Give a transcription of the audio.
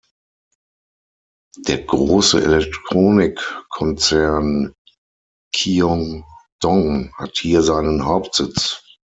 Der große Elektronikkonzern Kyung-Dong hat hier seinen Hauptsitz.